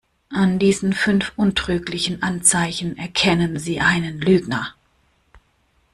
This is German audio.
An diesen fünf untrüglichen Anzeichen erkennen Sie einen Lügner.